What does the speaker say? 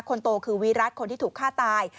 คนโตคือวิรัติคนที่ถูกฆ่าตาย